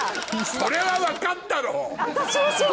それは分かったろう！